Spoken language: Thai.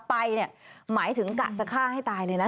ไปเนี่ยหมายถึงกะจะฆ่าให้ตายเลยนะ